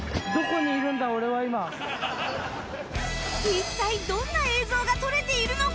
一体どんな映像が撮れているのか？